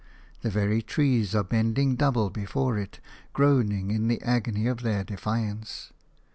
The very trees are bending double before it, groaning in the agony of their defiance.